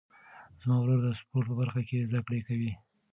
زما ورور د سپورټ په برخه کې زده کړې کوي.